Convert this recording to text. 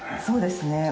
そうですね。